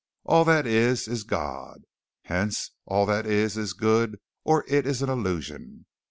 All that is, is God. Hence all that is, is good or it is an illusion.